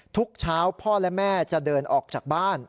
ทุกเช้าพ่อและแม่จะเดินออกจากบ้าน